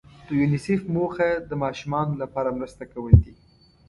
د یونیسف موخه د ماشومانو لپاره مرسته کول دي.